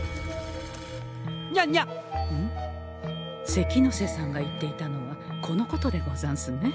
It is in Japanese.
関ノ瀬さんが言っていたのはこのことでござんすね。